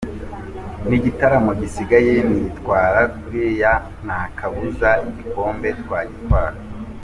N’igitaramo gisigaye ninitwara kuriya nta kabuza igikombe twagitwara.